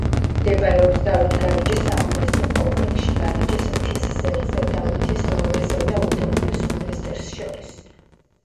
მდებარეობს დავითგარეჯის სამონასტრო კომპლექსში, გარეჯის მთის სერზე, დავითის ლავრასა და უდაბნოს მონასტერს შორის.